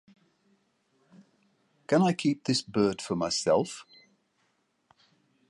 Can I keep this bird for myself?